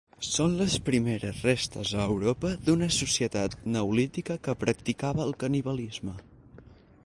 Són les primeres restes a Europa d'una societat neolítica que practicava el canibalisme.